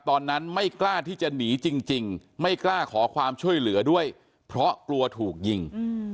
ตอนนั้นไม่กล้าที่จะหนีจริงไม่กล้าขอความช่วยเหลือด้วยเพราะกลัวถูกยิง